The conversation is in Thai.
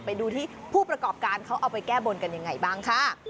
ไปดูที่ผู้ประกอบการเขาเอาไปแก้บนกันยังไงบ้างค่ะ